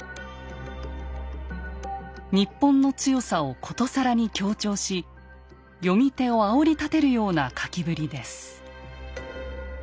日本の強さを殊更に強調し読み手をあおりたてるような書きぶりです。